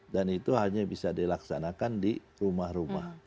dan itu hanya bisa dilaksanakan di rumah rumah